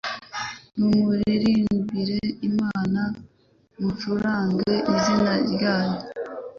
Nimuririmbire Imana mucurange izina ryayo